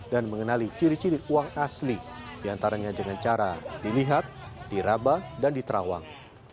dan mengenali ciri ciri uang asli diantaranya dengan cara dilihat diraba dan diterawang